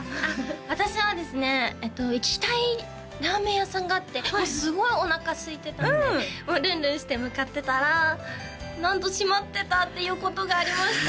私はですね行きたいラーメン屋さんがあってすごいおなかすいてたんでルンルンして向かってたらなんと閉まってたっていうことがありました